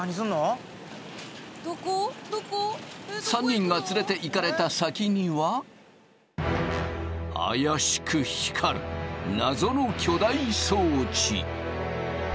３人が連れていかれた先には怪しく光る謎の巨大装置。